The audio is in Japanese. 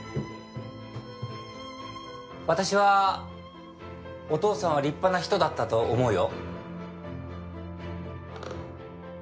私はお父さんは立派な人だったと思うよ。